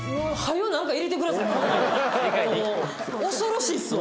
恐ろしいっすわ。